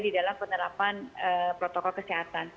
di dalam penerapan protokol kesehatan